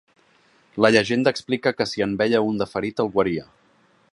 La llegenda explica que si en veia un de ferit el guaria.